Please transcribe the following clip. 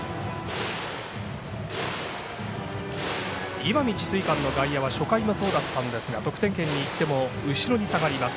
石見智翠館の外野は初回もそうだったんですが得点圏にいっても後ろに下がります。